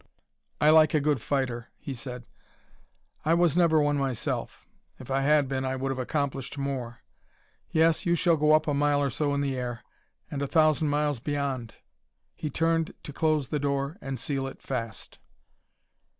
"I like a good fighter," he said; "I was never one myself. If I had been I would have accomplished more. Yes, you shall go up a mile or so in the air and a thousand miles beyond." He turned to close the door and seal it fast.